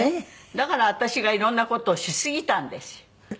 だから私が色んな事をしすぎたんですよ。